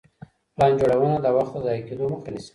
پلان جوړونه د وخت د ضايع کيدو مخه نيسي.